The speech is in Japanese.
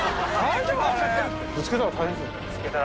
ぶつけたら。